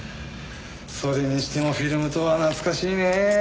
それにしてもフィルムとは懐かしいね。